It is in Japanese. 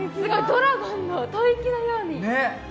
ドラゴンの吐息のように。